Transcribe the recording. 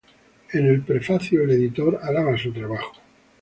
En el prefacio, el editor alaba su trabajo.